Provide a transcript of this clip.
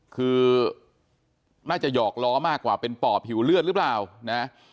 คือน่าจะหยอกล้อมากกว่าเป็นปอบหิวเลือดหรือเปล่านะ